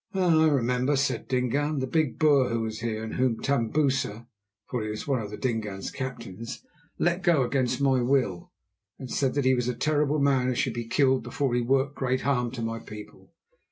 "I remember," said Dingaan. "The big Boer who was here, and whom Tambusa"—he was one of Dingaan's captains—"let go against my will, said that he was a terrible man who should be killed before he worked great harm to my people.